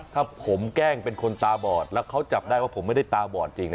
ถ้าผมแกล้งเป็นคนตาบอดแล้วเขาจับได้ว่าผมไม่ได้ตาบอดจริง